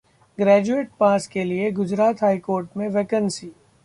graduate pass के लिए Gujarat high court में वैकेंसी